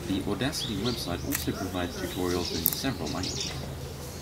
The Audacity website also provides tutorials in several languages.